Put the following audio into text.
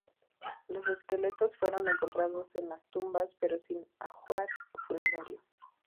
Los esqueletos fueron encontrados en las tumbas, pero sin ajuar funerario.